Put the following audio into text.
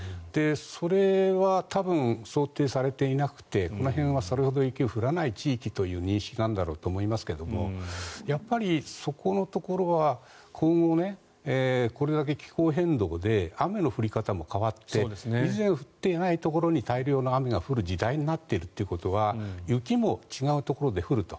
それは多分、想定されていなくてこの辺はそれほど雪が降らない地域という認識なんだろうと思いますがやっぱりそこのところは今後、これだけ気候変動で雨の降り方も変わって以前降っていないところに大量の雨が降る時代になっているということは雪も違うところで降ると。